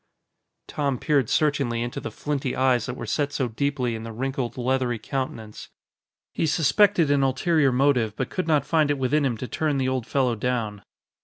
Tom peered searchingly into the flinty eyes that were set so deeply in the wrinkled, leathery countenance. He suspected an ulterior motive, but could not find it within him to turn the old fellow down.